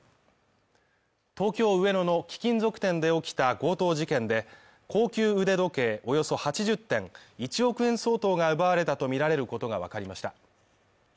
東京・上野の貴金属店で起きた強盗事件で、高級腕時計およそ８０点１億円相当が奪われたとみられることがわかりました。